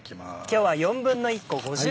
今日は。